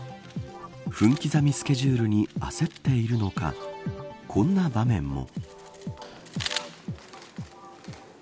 分刻みスケジュールに焦っているのかこんな場面も。